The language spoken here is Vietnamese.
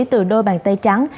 từ đôi bàn tay trắng